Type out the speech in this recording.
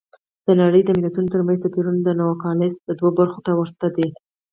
د نړۍ د ملتونو ترمنځ توپیرونه د نوګالس دوو برخو ته ورته دي.